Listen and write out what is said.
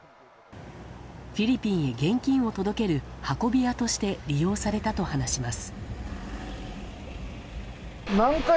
フィリピンへ現金を届ける運び屋として利用されたと話します。